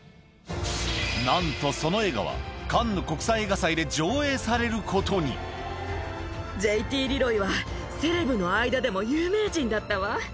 なんとその映画は、カンヌ国ＪＴリロイはセレブの間でも有名人だったわ。